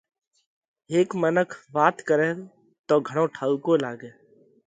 هيڪ منک وات ڪرئه تو گھڻو ٺائُوڪو لاڳئه